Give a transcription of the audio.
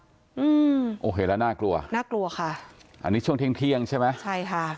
อืมโอเคแล้วน่ากลัวน่ากลัวค่ะอันนี้ช่วงเที่ยงเที่ยงใช่ไหมใช่ค่ะ